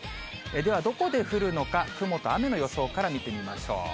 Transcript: では、どこで降るのか、雲と雨の予想から見てみましょう。